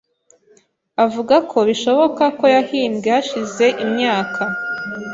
avuga ko bishoboka ko yahimbwe hashize imyaka